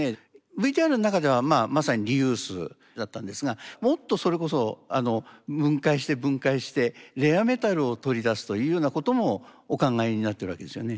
ＶＴＲの中ではまさにリユースだったんですがもっとそれこそ分解して分解してレアメタルを取り出すというようなこともお考えになってるわけですよね。